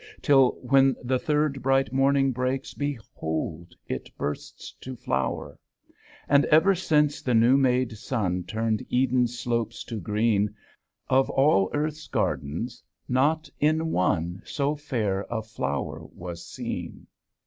Till, when the third bright morning breaks, Behold it bursts to flower! And ever since the new made sun Turned Eden's slopes to green. Of all Earth's gardens not in one So fair a flower was seen.